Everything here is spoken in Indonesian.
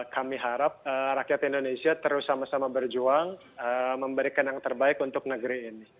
kami harap rakyat indonesia terus sama sama berjuang memberikan yang terbaik untuk negeri ini